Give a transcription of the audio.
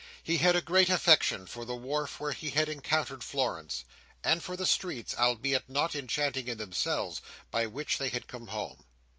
He had a great affection for the wharf where he had encountered Florence, and for the streets (albeit not enchanting in themselves) by which they had come home.